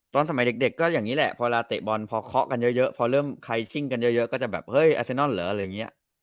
ตอนสมัยเด็กก็อย่างนี้แหละพอเวลาเตะบอลพอเคาะกันเยอะพอเริ่มใครชิ่งกันเยอะก็จะแบบเฮ้ยอาเซนอนเหรออะไรอย่างนี้